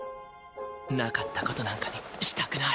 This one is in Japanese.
なかったことなんかにしたくない。